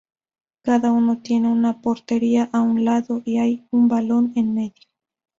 Cada uno tiene una portería a un lado, y hay un balón en medio.